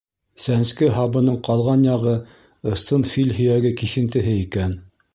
Сәнске һабының ҡалған яғы ысын фил һөйәге киҫентеһе икән.